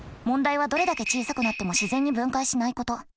問題はどれだけ小さくなっても自然に分解しないこと。